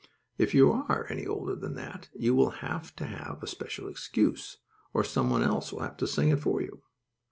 If you are any older than that you will have to have a special excuse; or some one else will have to sing it for you.